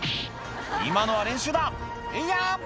「今のは練習だえいや！」